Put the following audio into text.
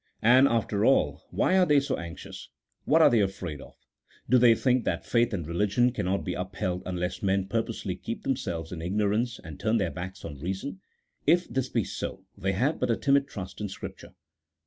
And, after all, why are they so anxious ? What are they afraid of ? Do they think that faith and religion cannot be upheld unless men purposely keep themselves in ignorance, and turn their backs on reason ? If this be so, they have but a timid trust in Scripture.